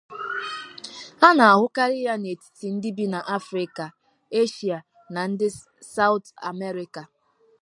A na-ahụkarị ya n'etiti ndị bi na Afrịka, Eshia na ndị Sawụtụ Amerịka.